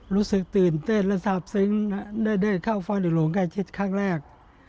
รู้สึกตื่นเต้นและทราบซึ้งได้เข้าเฝ้าในหลวงใกล้ชิดครั้งแรก